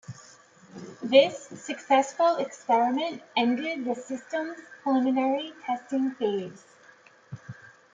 This successful experiment ended the system's preliminary testing phase.